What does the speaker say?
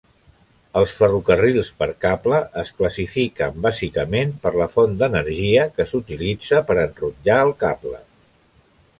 Els ferrocarrils per cable es classifiquen bàsicament per la font d'energia que s'utilitza per enrotllar el cable.